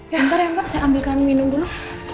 ya ntar ya mbak saya ambilkan minum dulu